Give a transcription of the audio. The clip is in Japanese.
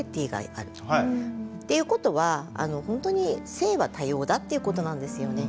っていうことはほんとに性は多様だっていうことなんですよね。